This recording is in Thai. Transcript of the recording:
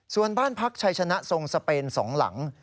ส่วนบ้านพักชัยชนะทรงสเปน๒หลัง